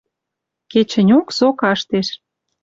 Кечӹньок со каштеш